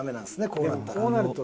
こうなったら。